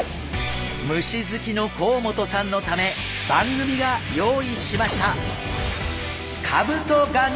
虫好きの甲本さんのため番組が用意しました。